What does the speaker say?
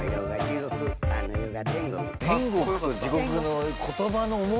天国と地獄の。